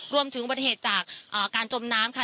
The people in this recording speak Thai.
อุบัติเหตุจากการจมน้ำค่ะ